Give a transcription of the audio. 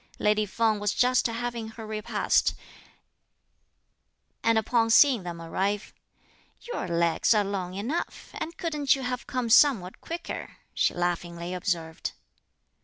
Lady Feng was just having her repast, and upon seeing them arrive: "Your legs are long enough, and couldn't you have come somewhat quicker!" she laughingly observed.